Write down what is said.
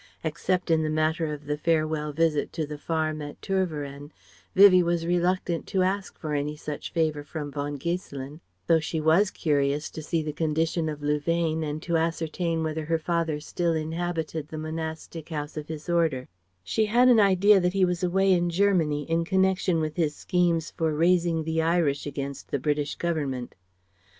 Except in the matter of the farewell visit to the farm at Tervueren, Vivie was reluctant to ask for any such favour from von Giesselin, though she was curious to see the condition of Louvain and to ascertain whether her father still inhabited the monastic house of his order she had an idea that he was away in Germany in connection with his schemes for raising the Irish against the British Government.